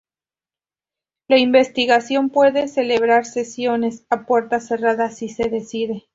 La investigación puede celebrar sesiones a puerta cerrada si se decide.